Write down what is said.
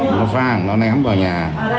nó phang nó ném vào nhà